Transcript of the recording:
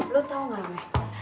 lo tau gak meh